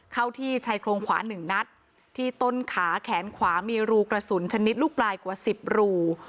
เข้าที่ชายโครงขวาหนึ่งนัดที่ต้นขาแขนขวามีรูกระสุนชนิดลูกปลายกว่า๑๐รู